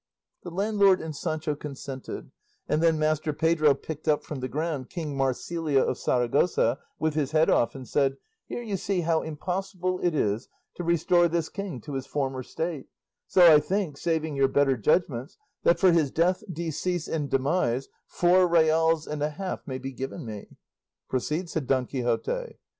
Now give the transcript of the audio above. The landlord and Sancho consented, and then Master Pedro picked up from the ground King Marsilio of Saragossa with his head off, and said, "Here you see how impossible it is to restore this king to his former state, so I think, saving your better judgments, that for his death, decease, and demise, four reals and a half may be given me." "Proceed," said Don Quixote.